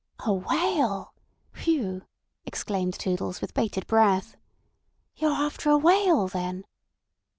"A whale. Phew!" exclaimed Toodles, with bated breath. "You're after a whale, then?"